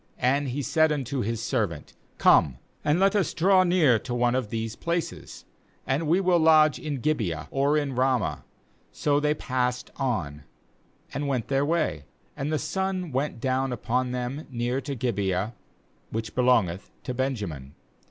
KAnd he said unto his servant: 'Come and let us draw near to one of these places; and we will lodge in Gibeah, or in Ramah.' 14So they passed on and went their way; and the sun went down upon them near to Gibeah, which belongeth to Benjamin.